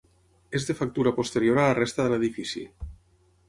És de factura posterior a la resta de l'edifici.